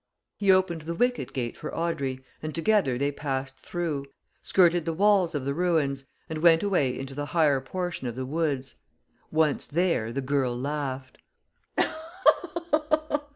He opened the wicket gate for Audrey, and together they passed through, skirted the walls of the ruins, and went away into the higher portion of the woods. Once there the girl laughed.